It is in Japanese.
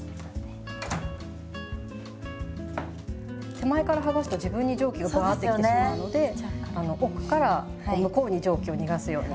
手前からはがすと自分に蒸気がブアーって来てしまうのであの奥からこう向こうに蒸気を逃がすように。